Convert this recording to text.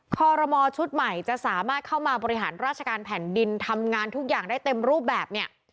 คอรมอชุดใหม่จะสามารถเข้ามาบริหารราชการแผ่นดินทำงานทุกอย่างได้เต็มรูปแบบเนี่ย